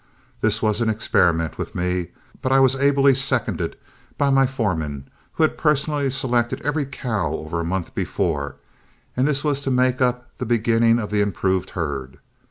This was an experiment with me, but I was ably seconded by my foreman, who had personally selected every cow over a month before, and this was to make up the beginning of the improved herd.